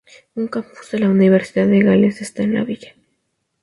Un campus de la Universidad de Gales está en la villa.